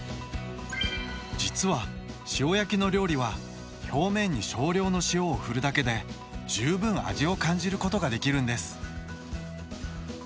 実は塩焼きの料理は表面に少量の塩をふるだけで十分味を感じることができるんです。